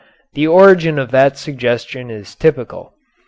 The origin of that suggestion is typical.